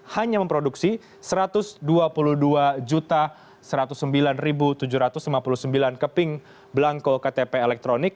hanya memproduksi satu ratus dua puluh dua satu ratus sembilan tujuh ratus lima puluh sembilan keping belangko ktp elektronik